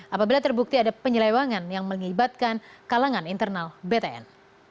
apabila terbukti ada penyelewangan yang mengibatkan kalangan internal btn